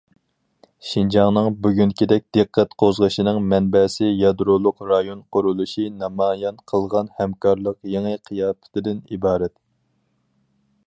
شىنجاڭنىڭ بۈگۈنكىدەك دىققەت قوزغىشىنىڭ مەنبەسى يادرولۇق رايون قۇرۇلۇشى نامايان قىلغان ھەمكارلىق يېڭى قىياپىتىدىن ئىبارەت.